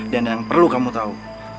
dan yang perlu kamu tahu